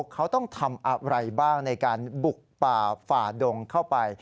เขาต้องทำอะไรบ้างในการบุกป่าฝ่าดงเข้าไป